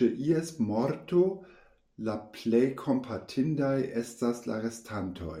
Ĉe ies morto, la plej kompatindaj estas la restantoj.